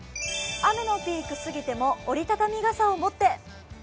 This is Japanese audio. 雨のピーク過ぎても折り畳み傘を持って。